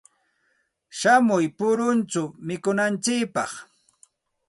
Shamuy puruchaw mikunantsikpaq.